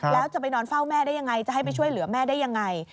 แล้วจะไปนอนเฝ้าแม่ได้ยังไงจะให้ไปช่วยเหลือแม่ได้ยังไง